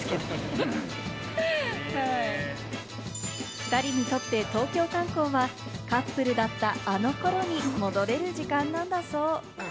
２人にとって東京観光はカップルだったあの頃に戻れる時間なんだそう。